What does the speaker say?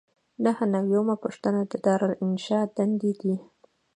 نهه نوي یمه پوښتنه د دارالانشا دندې دي.